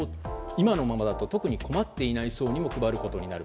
今のままだと特に困っていない層にも配ることになる。